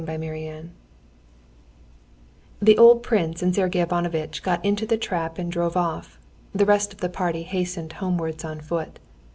Chapter 17 The old prince and Sergey Ivanovitch got into the trap and drove off; the rest of the party hastened homewards on foot.